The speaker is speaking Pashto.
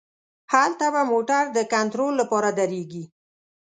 هلته به موټر د کنترول له پاره دریږي.